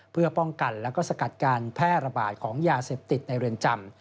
เพื่อป้องกันและสกัดการแพร่ระบาดของยาเสพติดในเรือนจำ